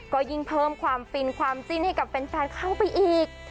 ก็ยิ่งเพิ่มความฟินความจิ้นให้กับแฟนเข้าไปอีก